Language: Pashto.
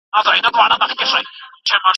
ایا ته د ادبي ورځو په لمانځلو کې برخه اخلې؟